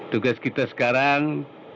tugas kita sekarang